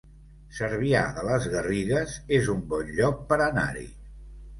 Cervià de les Garrigues es un bon lloc per anar-hi